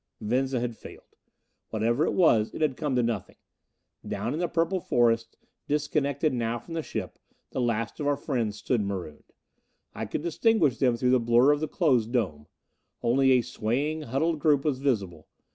Venza had failed. Whatever it was, it had come to nothing. Down in the purple forest, disconnected now from the ship, the last of our friends stood marooned. I could distinguish them through the blur of the closed dome only a swaying, huddled group was visible.